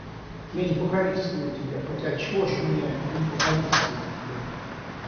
Я не покровительствую тебе... Хотя отчего же мне и не покровительствовать тебе?